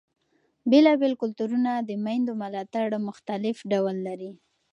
بېلابېل کلتورونه د مېندو ملاتړ مختلف ډول لري.